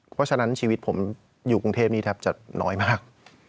เพราะฉะนั้นชีวิตผมอยู่กรุงเทพนี้แทบจะน้อยมาก